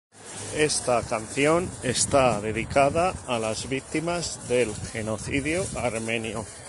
Esta canción está dedicada a las víctimas del genocidio armenio.